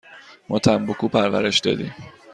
ما تنباکو پرورش دادیم.